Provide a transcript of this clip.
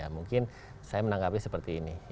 mungkin saya menanggapi seperti ini